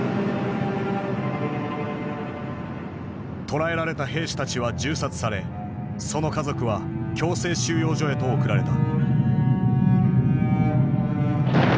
捕らえられた兵士たちは銃殺されその家族は強制収容所へと送られた。